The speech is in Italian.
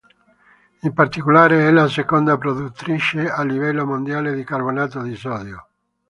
In particolare è la seconda produttrice a livello mondiale di carbonato di sodio.